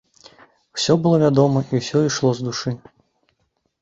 Усё было вядома і ўсё ішло з душы!